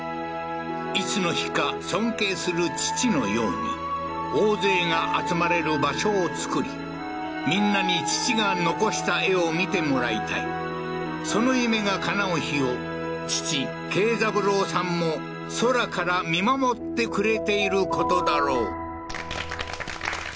いつの日か尊敬する父のように大勢が集まれる場所を作りみんなに父が残した絵を見てもらいたいその夢がかなう日を父桂三郎さんも空から見守ってくれていることだろう